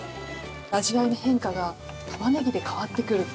味わいの変化がタマネギで変わってくる。